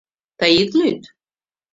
Тый ит лӱд: